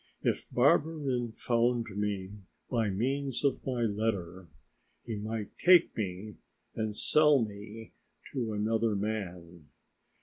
If Barberin found me by means of my letter, he might take me and sell me to another man.